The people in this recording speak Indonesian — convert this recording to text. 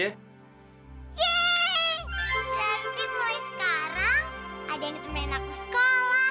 yeay berarti mulai sekarang ada yang ditemani naku sekolah